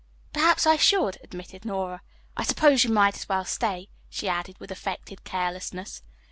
"Perhaps I should," admitted Nora. "I suppose you might as well stay," she added with affected carelessness.